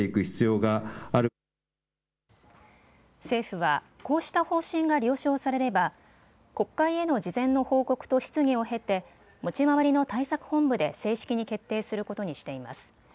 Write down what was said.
政府はこうした方針が了承されれば国会への事前の報告と質疑を経て持ち回りの対策本部で正式に決定することにしています。